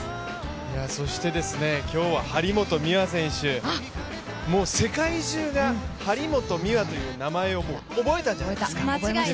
そして今日は張本美和選手、もう世界中が張本美和という名前を覚えたんじゃないですか。